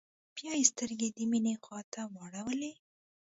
بيا يې سترګې د مينې خواته واړولې.